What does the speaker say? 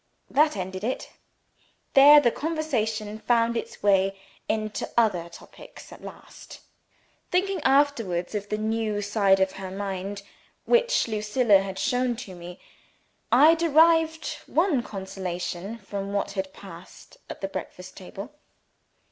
That ended it there the conversation found its way into other topics at last. Thinking afterwards of the new side of her mind which Lucilla had shown to me, I derived one consolation from what had passed at the breakfast table.